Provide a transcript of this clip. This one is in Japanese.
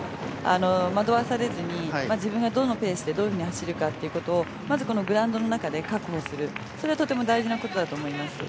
惑わされずに自分がどのペースでどう走るかということをまずこのグラウンドの中で確保するそれがとても大事なことだと思います。